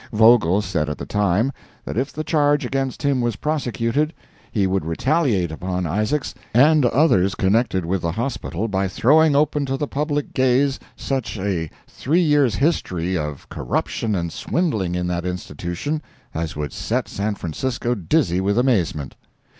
Vogel said at the time, that if the charge against him was prosecuted, he would retaliate upon Isaacs and others connected with the Hospital by throwing open to the public gaze such a three years' history of corruption and swindling in that institution as would set San Francisco dizzy with amazement.